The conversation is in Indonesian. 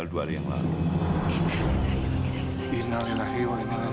tapi ayo silahkan masuk dulu ya